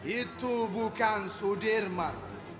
itu bukan sudirman